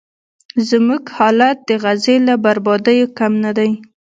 زموږ حالت د غزې له بربادیو کم نه دی.